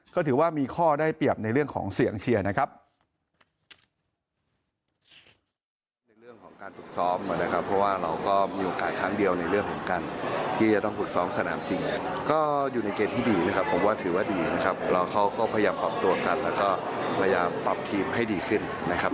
ก็ถือว่ามีข้อได้เปรียบในเรื่องของเสียงเชียร์นะครับ